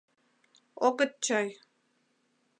— Огыт чай.